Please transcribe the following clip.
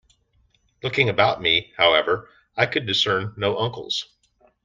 Looking about me, however, I could discern no uncles.